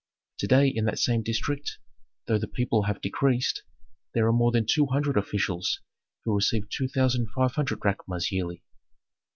To day in that same district, though the people have decreased, there are more than two hundred officials who receive two thousand five hundred drachmas yearly.